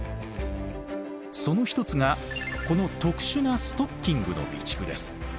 その一つがこの特殊なストッキングの備蓄です。